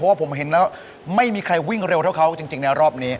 เพราะว่าผมเห็นแล้วไม่มีใครวิ่งเร็วเท่าเขาจริงในรอบนี้